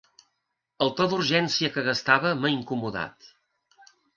El to d'urgència que gastava m'ha incomodat.